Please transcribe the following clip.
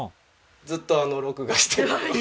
ずっと録画して。